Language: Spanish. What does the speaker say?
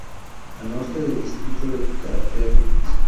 Al Norte el distrito de Carapeguá.